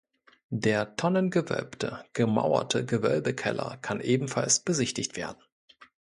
Der tonnengewölbte gemauerte Gewölbekeller kann ebenfalls besichtigt werden.